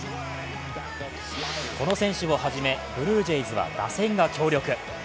この選手をはじめブルージェイズは打線が強力。